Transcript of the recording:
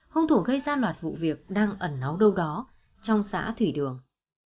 hung thủ gây ra loạt vụ việc đang ẩn náu đâu đó trong xã thủy đường